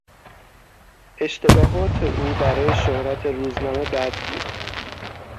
اشتباهات او برای شهرت روزنامه بد بود.